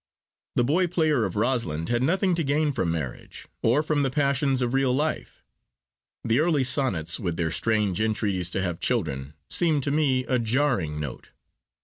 The boy player of Rosalind had nothing to gain from marriage, or from the passions of real life. The early sonnets, with their strange entreaties to have children, seemed to me a jarring note.